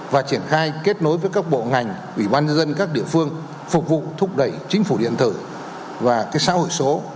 và triển khai kết nối với các bộ ngành ủy ban dân các địa phương phục vụ thúc đẩy chính phủ điện tử và xã hội số